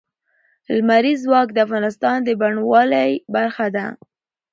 لمریز ځواک د افغانستان د بڼوالۍ برخه ده.